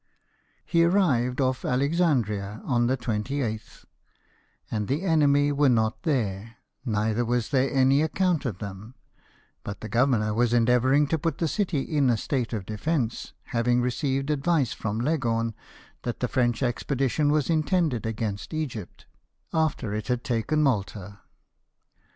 He arrived off Alexandria on the 28th, and the enemy were not there, neither was there any account of them ; but the governor was endeavouring to put the city in a state of defence, having received advice from Leghorn that the French expedition was intended against Egypt, after it had taken Malta.